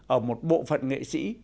ở một bộ phận nghệ sĩ